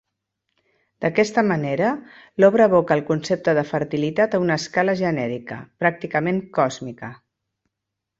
D'aquesta manera, l'obra evoca el concepte de fertilitat a una escala genèrica, pràcticament còsmica.